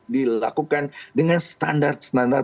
dilakukan dengan standar standar